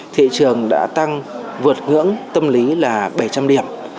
thị trường đã tăng vượt ngưỡng tâm lý là bảy trăm linh điểm